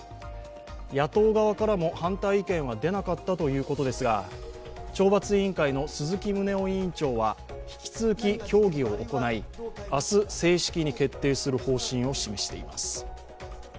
野党側からも反対意見は出なかったということですが、懲罰委員会の鈴木宗男委員長は引き続き協議を行い明日、正式に決定する方針を示しています。